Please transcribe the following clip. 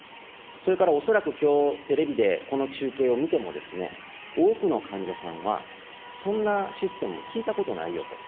それから恐らくきょう、テレビでこの中継を見てもですね、多くの患者さんは、そんなシステム聞いたことないよと。